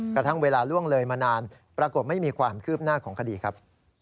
กระทั่งเวลาล่วงเลยมานานปรากฏไม่มีความคืบหน้าของคดีครับ